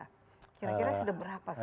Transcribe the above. kira kira sudah berapa